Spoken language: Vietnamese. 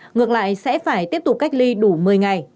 ngược lại sẽ phải tiếp tục cách ly đủ một mươi ngày